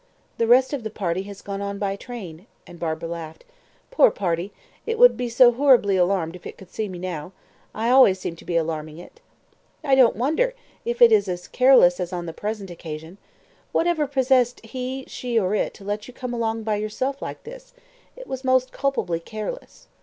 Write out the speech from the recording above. "The rest of the party has gone on by train," and Barbara laughed. "Poor party, it would be so horribly alarmed if it could see me now. I always seem to be alarming it." "I don't wonder, if it is always as careless as on the present occasion. Whatever possessed he, she, or it, to let you come along by yourself like this? It was most culpably careless."